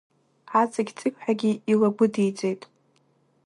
Аҵықь-аҵықьҳәагьы илагәыдиҵеит.